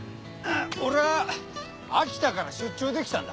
俺は秋田から出張で来たんだ。